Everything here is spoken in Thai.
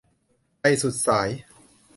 ไปสุดสาย